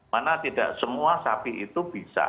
mana tidak semua sapi itu bisa